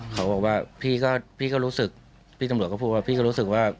เขาบอกว่าพี่ก็พี่ก็รู้สึกพี่ตำรวจก็พูดว่าพี่ก็รู้สึกว่า